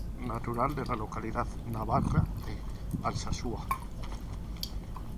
Natural de la localidad navarra de Alsasua.